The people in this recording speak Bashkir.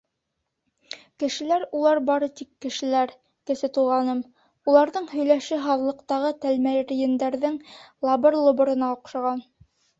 Кешеләр улар бары тик кешеләр, Кесе Туғаным, уларҙың һөйләше һаҙлыҡтағы тәлмәрйендәрҙең лабыр-лоборона оҡшаған.